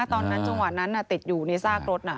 ตอนนั้นจังหวะนั้นติดอยู่ที่ซากรถ